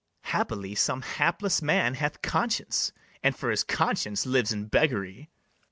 Haply some hapless man hath conscience, And for his conscience lives in beggary.